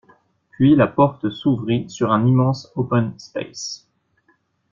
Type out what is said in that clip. puis la porte s’ouvrit sur un immense open space